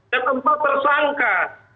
dan empat tersangka